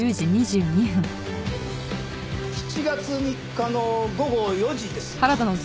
７月３日の午後４時ですか。